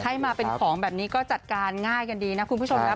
ให้มาเป็นของแบบนี้ก็จัดการง่ายกันดีนะคุณผู้ชมนะ